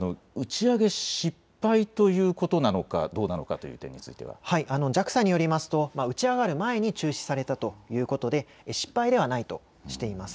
打ち上げ失敗ということなのかどうなのかという点についてはＪＡＸＡによりますと打ち上がる前に中止されたということで失敗ではないとしています。